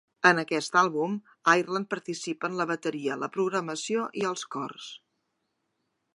En aquest àlbum Ireland participa en la bateria, la programació i els cors.